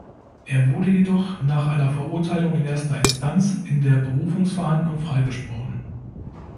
Er wurde jedoch, nach einer Verurteilung in erster Instanz, in der Berufungsverhandlung freigesprochen.